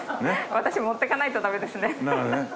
私持っていかないとダメですね。